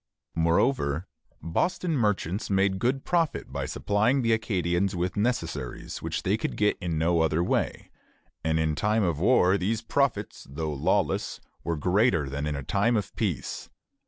Moreover, Boston merchants made good profit by supplying the Acadians with necessaries which they could get in no other way; and in time of war these profits, though lawless, were greater than in time of peace.